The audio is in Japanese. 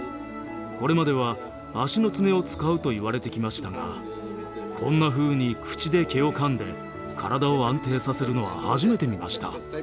これまでは足の爪を使うと言われてきましたがこんなふうに口で毛をかんで体を安定させるのは初めて見ました。